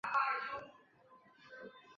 函馆正教会被列为重要文化财。